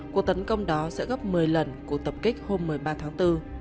cuộc tấn công đó sẽ gấp một mươi lần cuộc tập kích hôm một mươi ba tháng bốn